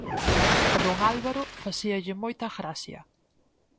A don Álvaro facíalle moita gracia;